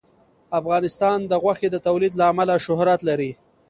افغانستان د غوښې د تولید له امله شهرت لري.